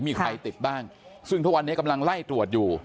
มีใครติดบ้างซึ่งทุกวันนี้กำลังไล่ตรวจอยู่